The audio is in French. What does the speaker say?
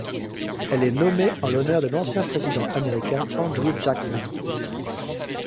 Elle est nommée en l'honneur de l'ancien président américain Andrew Jackson.